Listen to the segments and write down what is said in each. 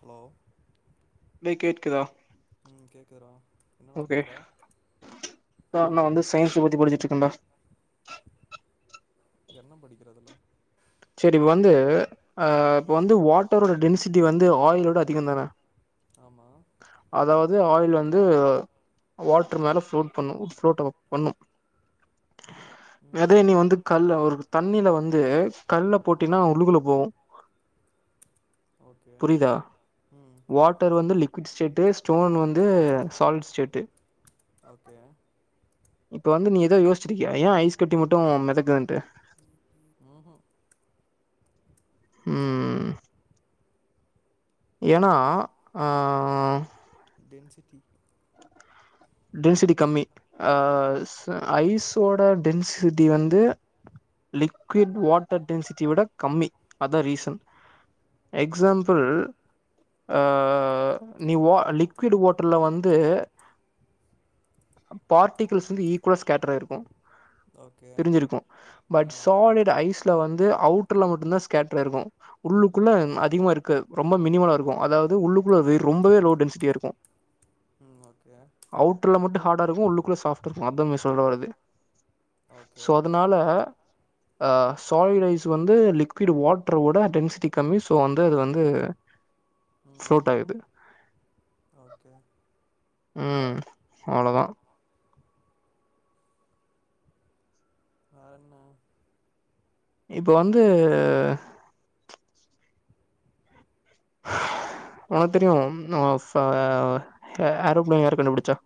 Hello டே கேட்குதா ம் கேக்குதுறா என்னடா பண்ற சார் நா வந்து சயின்ஸ் பத்தி படிச்சிட்ருக்க டா என்ன படிக்கிற அதுல செரி வந்து அ இப்ப வந்து வாட்டரோட டென்சிட்டி வந்து ஆயிலோட அதிகோ தான ஆமா அதாவது ஆயில் வந்து வாட்ரு மேல ஃப்ளோட் பண்ணு ஃப்ளோட் அகு பண்ணு ம் மேதே நீ வந்து கல்ல ஒரு தண்ணில வந்து கல்ல போட்டினா உள்ளுகுல போவு ஓகே புரியுதா ம் வாட்டர் வந்து லிக்விட் ஸ்டேட்டு ஸ்டோன் வந் து சால்ட் ஸ்டேட்டு ஓகே இப்ப வந்து நீ ஏதோ யோசிச்சிருக்கியா ஏ ஐஸ் கட்டி மட்டு மெதக்குதுன்ட்டு எ ஏனா ஆ டென்சிட்டி டென்சிட்டி கம்மி ஆ ச ஐஸோட டென்சிட்டி வந்து லிக்விட் வாட்டர் டென்சிட்டி விட கம்மி அதா ரீசன் எக்ஸாம்பிள் ஆ நீ வா லிக்விட் வாட்டர்ல வந் து பார்ட்டிகல்ஸ் வந்து ஈக்குலா ஸ்கேட்டரா இருக்கு ஓகே பிரிஞ்சிருக்கு பட் ஆ சாலிட் ஐஸ்ல வந்து அவுட்டர்ல மட்டுதா ஸ்கேட்டரா இருக்கு உள்ளுக்குள்ள அதிகமா இருக்க ரொம்ப மினிமலா இருக்கு அதாவது உள்ளுக்குள்ள வெ ரொம்பவே லோடு டென்சிட்டியா இருக்கு ம் ஓகே அவுட்ர்ல மட்டு ஹாடா இருக்கு உள்ளுக்குள்ள சாஃப்ட் இருக்கு அதா மீ சொல்ல வர்றது ஓகே சோ அதனால அ சாலிட் ஐஸ் வந்து லிக்விட் வாட்டர விட டென்சிட்டி கம்மி ஸோ வந்து அது வந்து ம் ஃப்ளோட் ஆகுது ஓகே ம் அவ்ளோதா வேற என்ன இப்ப வந்து உனக்கு தெரியு நம்ம இஃப்ப எ ஏ ஆரோ பிளான யாரு கண்டுபுடிச்சா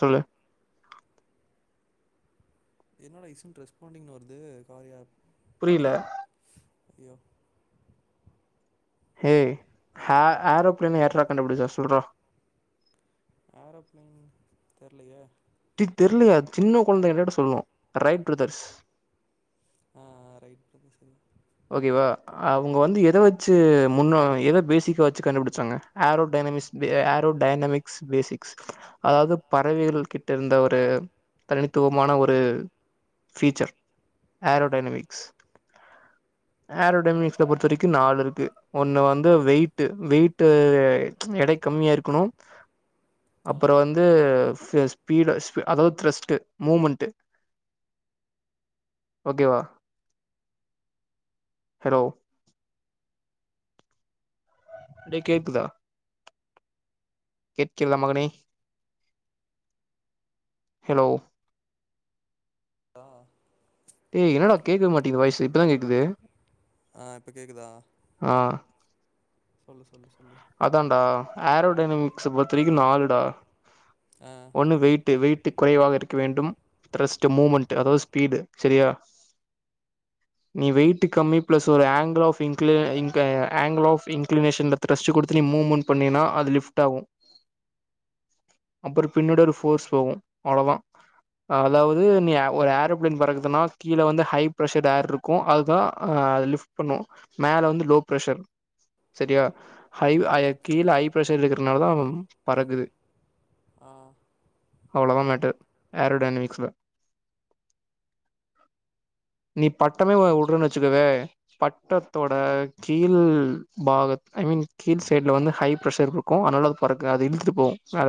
சொல்லு என்னட இஸ்க் ரெஸ்பாண்டிங்னு வருது காரியா புரியில அய்யோ ஹே ஹா ஆரோ பிளேன்னு யாரா கண்டுபுடிச்சா சொல்றா ஆரோப்ளைன் தெர்லயே டே தெர்லயா சின்ன கொழந்தைய கேட்டா கூட சொல்லு ரைட் பிரதர்ஸ் அ ஆ ரைட் இது. ஓகேவா அவுங்க வந்து எத வச்சி முன்ன எத பேசிக் எத வச்சு கண்டுபுடிச்சாங்க ஆரோ டைனமிஸ் வெ எ ஆரோ டைனமிக்ஸ் பேசிக்ஸ் அதாவது பறவைகள் கிட் ட இருந்த ஒரு தனித்துவமான ஒரு ஃபீச்சர் ஆரோ ம் டைனமிக்ஸ் ஆரோடைனமிக்ஸ் பொறுத்தவரைக்கு நாலுருக்கு ஒன்னு வந்து வெய்ட்டு வெய்ட்டு எடை கம்மியாருக்கணு ஆ அப்பறோ வந்து ஃபியஸ் ஈடஸ்க்கு அதாவது திரெஸ்ட்டு மூமன்ட்டு ஓகே வா ஹலோ டே கேக்குதா கேட்கிறதா மகனே ஹலோ ஆ டே என்னடா கேக்கவே மாட்டேங்கிது வாய்சு இப்பதா கேக்குது ஆ இப்போ கேட்குதா ஆ சொல்லு சொல்லு சொல் அதான்டா ஆரோ டைனாமிக்ஸ் பொருத்தவரைக்கு நாலுடா ஆ ஒண்ணு வெயிட்டு வெய்ட் ட்டு குறைவாக இருக்க வேண்டும் ட்ரஸ்ட்டு மூமண்ட் அதாவது ஸ்பீடு செரியா நீ வெயிட்டு கம்மி பிளஸ் ஒரு ஆங்கில் ஆஃப் இன்குல இங்கு angle of inclination method trust குடுத்து நீ மூ மூமன்ட் பண்ணீனா அது லிஃப்ட்டாகு அப்பறோ பின்னோட ஒரு ஃபோர்ஸ் போவு அவ்ளோதா அதாவது நீ ஆ ஒரு ஆரோபிளேன் பறக்குதுன்னா கீழே வந்து ஹை ப்ரஷர் ஏர்ருக்கு அதுதா அ அ அது லிஃப் பண்ணு மேல வந்து லோ ப்ரஷர் செரியா ஹைவ் ஐ ம் ஓகே கீழே ஹை பிரஷர் இருக்கறனால தா பறக்குது ஆ அவ்ளோ தா மேட்டர் ஏரோ டைனமிக்ஸ்ல நீ பட்டமே உ உட்றன்னு வெச்சுக்கவே பட்டத்தோட கீழ் பாகோ அத் ஐ மீன் கீழ் சைட்ல வந்து ஹை ப்ரெஷர் இருக்கு அதனால அது பறக்காது அது இழுத்துட்டு போகு மேல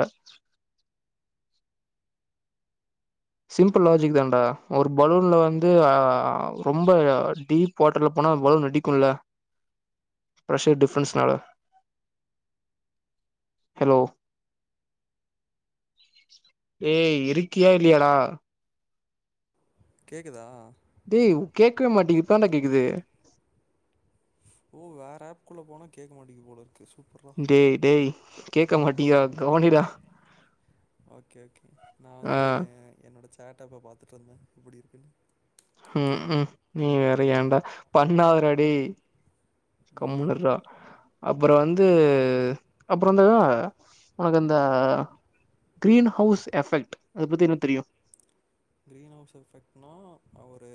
சிம்பிள் லாஜிக் தான்டா ஒரு பலூன்ல வந்து அ ரொம்ப யா டீப் வாட்டர்ல போ போனா பளூன் வெடிக்குல்ல ப்ரஷர் டிஃப்ரன்ஸ்னால ஹலோ ஏய் இருக்கியா இல்லையடா கேக்குதா டேய் கேட்கவே மாட்டேங் இப்பதான்டா கேக்குது ஓ வேற ஆப்குள்ள போனா கேட்க மாட்டேங்கிது போலருக்கு சூப்பர்றா டேய் டேய் கேட்க மாட்டியா கவனிடா ஓகே ஓகே நா ஆ வந்து என்னோட சேட்டாப்ப பாத்துட்டுருந்தே எப்பிடி இருக்குன்னு ம்ஹும் நீ வேற ஏண்டா பண்ணதடா டேய் ம் கம்முணுயிருடா அப்புறோ வந்து அப்புறோ இந்த உனக்கு அந்த கிரீன் ஹவுஸ் எஃபெக்ட் அத பத்தி என்ன தெரியு கிரீன் ஹவுஸ் எஃபெக்ட்னா ஆ ஒரு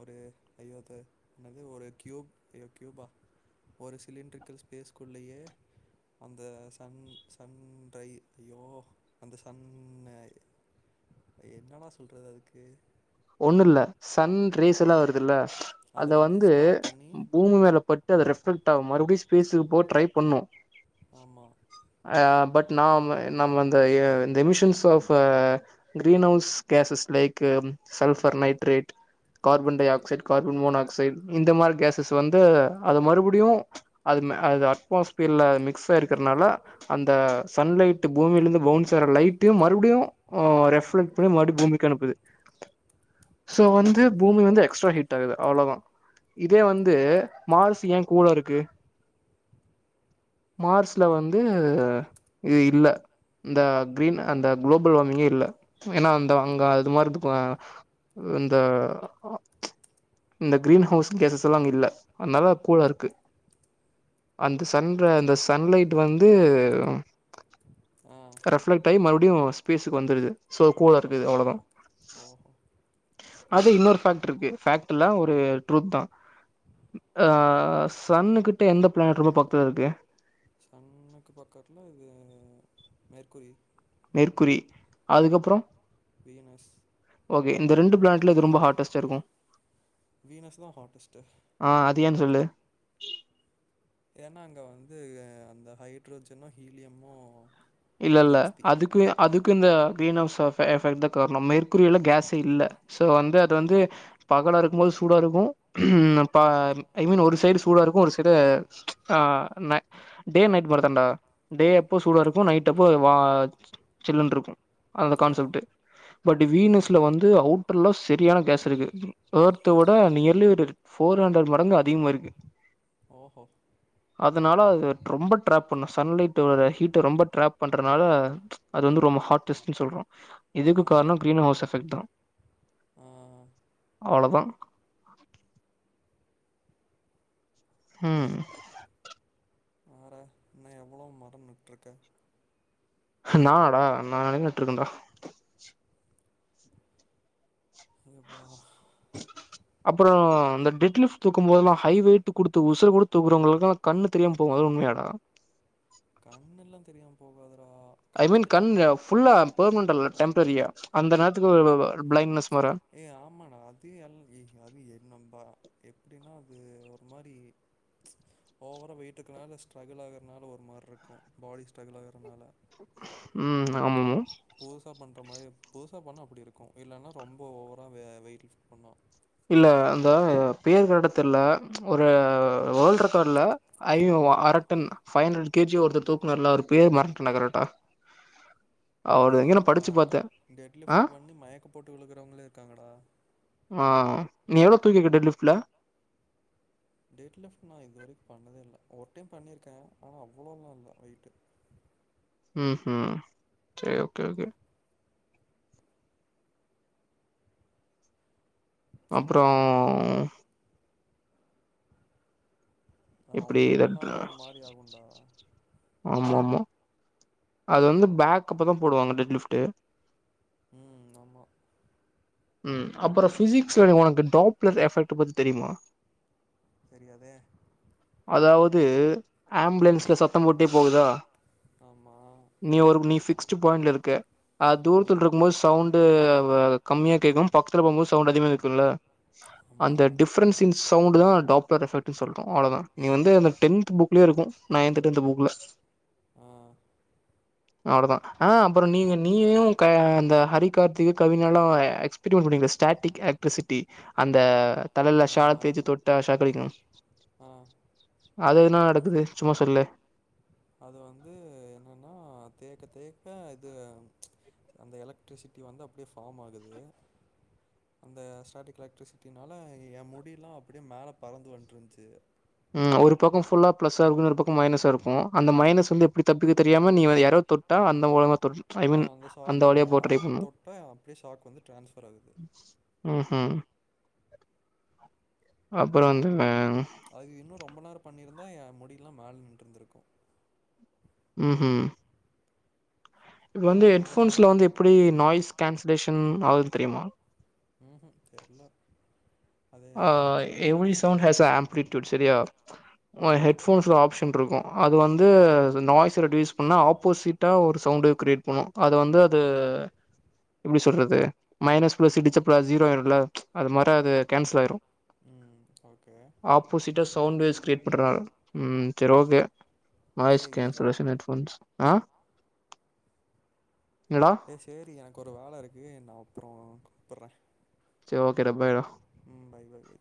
ஒரு ஐயோத என்னது ஒரு கியூப் ஐயோ கியூபா ஒரு சிலிண்ட்ரிக்கல் ஸ்பேஸ்குள்ளேயே அந்த சன் சன்றை ஐயோ அந்த சன்னய் என்னடா சொல்றது அதுக்கு ஒண்ணுல்ல சன் ரேஸெல்லா வருதுல்ல அத வந்து பூமி மேல பட் து ரெஃப்ரேக்ட் ஆவு மறுபடி அது ஸ்பேசுக்கு போவ ட்ரை பண்ணு ஆமா ஆ பட் நாம் நம்ம அந்த ஏ இந்த emissions of greenhouse gases like sulphur nitrate carbon dioxide carbon monoxide இந்த மாரி கேசஸ் வந்து அத மறுபடியு அதுக் ந அது அட்மாஸ்பியர்ல மிக்ஸ் ஆயிருக்றனால அந்த சன்லைட்டு பூமிலந்து பவுன்ஸ் ஆர லைட் பேய்ட்டு மறுபடியு ஆ ரெஃப்லெக்ட் பண்ணி மறுடி பூமிக்கு அனுப்புது சோ வந்து ம் பூமி வந்து எக்ஸ்ட்ரா ஹிட் ஆகுது அவ்ளதா இதே வந்து மார்சு ஏன் கூலா இருக்கு [inaudible] மார்ஸ்ல வந்து இது இல்ல இந்த கிரீன் அந்த குளோபல் வார்மிங்கே இல்ல ஏனா அந்த அங்க அது மாரி [unintelligible] இந்த இந்த கிரீன் ஹவுஸ் கேசஸ் எல்லா அங்க இல்ல அதனால கூலா இருக்கு அந்த சன் ர அந்த சன்லைட் வந்து ஆ ரெஃப்லைட் ஆயி மறுடியு ஸ்பேஸ்க்கு வந்துருது சோ கூலா இருக்குது அவ்ள தா ஓ அது இன்னொரு ஃபேக்ட்ருக்கு ஃபேக்ட் இல்ல ஒரு ட்ரூத் தா ம் ஆ சன்னு கிட்ட எந்த பிளானட் ரொம்ப பக்கத்துல இருக்கு சன்னுக்கு பக்கத்துல இது மெர்குரி மெர்குரி அதுக்கப்றோ வீனஸ் வி இந்த ரெண்டு பிளானட்ல எது ரொம்ப ஹாட்டஸ்ட்டா இருக்கு வீனஸ் தா ஹாட்டஸ்டு ஆ அது ஏன்னு சொல்லு ஏன்னா அங்க வந்து அந்த ஹைட்ரோஜனு ஹீலியமு இல்ல இல்ல அதுக்கு அதுக்கு இந்த க்ரீன் அவுஸ் ஆஃப் எஃபெக்ட் தா கார்ணோ மெர்குரில கேசே இல்ல சோ வந்து அது வந்து பகலா இருக்கும்போது சூடாருக்கு ப ஐ மீன் ஒரு சைடு சூடாருக்கு ஒரு சைடு ஆ நை டே நைட் மாரி தாண்டா டே அப்ப சூடாருக்கு கு நைட் அப்போ வா ஜில்லுன்ருக்கு அந்த ஆ கான்செப்ட்டு பட் வீனஸ்ல வந்து அவுட்ருல செரியான கேஸ் இருக்கு ஏர்த்த விட நியர்லி ஃபோர் ஹண்ட்ரட் மடங்கு அதிகமாருக்கு ஓஹோ அதனால அது ரொம்ப டிராப் பண்ணு சன்லைட்டோட ஹீட்ட ரொம்ப ட்ராப் பண்றனால அது வந்து ரொம்ப ஹாட்டஸ்ட்ன் சொல்றோ இதுக்கு ஆ காரணோ கிரீன் ஹவுஸ் எஃபெக்ட் தா ஆ அவ்ளதா ம் வேற இன்னு எவ்ளோ மரோ நட்ருக்க நானா டா நானே நட்ருக்கேன்டா ஏப்பா அப்பறோ இந்த டிட் லிஃப் தூக்கும்போதெல்லா ஹை வெயிட் குடுத்து உசுர குடுத் தூக்குறவங்களுக்குலா கண்ணு தெரியாம போகு அதுலா உண்ம யாடா கண்ணுலா தெரியாம போகாது ஐ மீன் கண் ஃபுல்லா பெர்மனென்ட்டா இல்ல டெம்ரரியா அந்த நேரத்துக்கு [unintelligible] பிளைட்னஸ் ஏ ஆமாடா அது எல் ஏ அது என் நம்ப எப்டின்னா அது ஒரு மாரி ஓவரா வெயிட் இக்கனால ஸ்ட்ரகுல் ஆகுறனால ஒரு மாரிருக்கு பாடி ஸ்ட்ரகல் ஆகு ம் ஆமா ஆமா புதுசா பண்ணா அப்டி இருக்கு இல்லன்னா ரொம்ப ஓவரா வெயிட் லிஃப்ட் பண்ணா இல்ல இந்த பேர் கரட்டா தெர்ல ஒரு வோல்ட் ரெக்கார்ட்ல ஐ அரட்டன் ஃபைவ் அண்டர் கேஜி ஒருத்தர் தூக்குனாரு ல அவரு பேர் மறந்துட்ட டா கரட்டா டே அதெல்லா டேட் ஆ லிஃப்ட் பண்ணி மயக்க போட்டு விழுகறவங்கள இருக்காங்கடா அஹ் நீ எவ்ளோ தூக்கிகிட்ட லிஃப்ட்ல டேட்ல ஃபுல்லா இது வரைக்கு பண்ணதே இல்ல ஒரு டைம் பண்ணிருக்க ஆனா அவ்ளோல்லா இல்ல வெயிட்டு உஹும் செரி ஓகே ஓகே அப்றோ அது எப்டி ரொம்ப இத பண்ணாலும் ஒரு மாதிரி ஆகும்டா ஆமா ஆமா அது வந்து பேக் அப்பதா போடுவாங்க அந்த லிஃப்ட்டு உம் ஆமா உம் அப்பறோ ஃபிசிக்ஸ்ல உனக்கு டாப்லர் எஃபெக்ட் பத்தி தெரியுமா தெரியாதே அதாவது ஆம்புலன்ஸ்ல சத்தோ போட்டே போகுதா ஆமாம் நீ ஒரு நீ ஃபிக்ஸ்ட் பாயிண்ட்ல இருக்க ஆ துரத்துல இருக்கு போது சவுண்ட் கம்மியா கேட்கு பக்கத்துல போபோது சவுண்ட் அதிகமா கேக்கும்ல அந்த ஆமாம் டிஃப்ரென்ஸ் இன் சவுண்ட் தா டாப்லர் எஃபெக்ட்னு சொல்றோ அவ்ளோதா நீ வந்து அந்த டென்த் புக்லே இருக்கு நைன்த் டென்த் புக்ல ஆஹ் அவ்ளோதா ஆஹ் அப்பறோ நீயு அந்த ஹரிகார்த்தி கவினலா எக்ஸ்பீரீமன்ட் பண்ணீங்களே பேட்டிக் எலக்ட்ரிசிட்டி அந்த தலல ஷால் தேச்சு தொட்டா அடிக்கு ஆஹ் அது என்னா நடக்குது சும்மா சொல்லு அது வந்து என்னன்னா தேக்க தேக்க இது அந்த எலக்ட்ரிசிட்டி வந்து அப்டே ஃபாம் ஆகுது அந்த ஸ்டாட்டிக் எலக்ட்ரிசிட்டினால எ முடில்லா அப்டே மேல பறந்து வன்ருந்துச்சு உம் ஒரு பக்கோ ஃபுல்லா ப்ளஸ்சா இருக்கு ஒரு பக்கோ மைனஸா இருக்கு அந்த மைனஸ் வந்து எப்டி தப்பிக்க தெரியாம நீ எரவ் தொட்டா அந்த மூலமா தொ ஐ மீன் ஆஹ் அந்த ஷாக்கா வழியா போ ட்ரை பண்ணு தொட்டா அப்டியே ஷாக் வந்து டிரான்ஸ்ஃபர் ஆகுது ம் அப்பறோ வந்து வே அது இன்னு ரொம்ப நேரோ பண்ணிருந்தா எ முடில்லா மேல நின்று இருந்துருக்கு உஹும் இப்ப வந்து ஹெட்ஃபோன்ஸ்ல வந்து எப்டி நாய்ஸ் கேன்சலேஷன் ஆகுது தெரியுமா உஹும் தெர்ல அது அஹ் என்னமோ எவ்ரி சவுண்ட் பண்ணாங்க. ஹாஸ்ஸ ஆம்ப்பிலிடியுட் சரியா ஆ ஹெட்போன்ஸ்ல ஆப்ஷன் இருக்கு அது வந்து நாய்ஸ் ரெட்யூஸ் பண்ணா ஆப்போசிட்டா ஒரு சவுண்ட்டு கிரியேட் பண்ணு அது வந்து அது எப்டி சொல்றது மைனஸ் பிளஸ் இடிச்ச பிளஸ் ஜீரோ ஆயிடும்ல அது மாரி அது கேன்சல் ஆயிரு ம் ஓகே. ஆப்போசிட்டா சவுண்ட் க்ரேஸ் கிரியேட் பண்றா உம் சரி ஓகே நாய்ஸ் டேய் இருடா. கேன்சரேஷன் ஹெட்ஃபோன்ஸ் ஆஹ் எ சேரி எனக்கு ஒரு வேல இருக்கு நா அப்றோ கூப்பட்ற ஏ ஓகே டா பாய் டா உம் பாய் பாய் பாய்